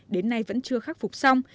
đến nay vẫn chưa khắc phục xong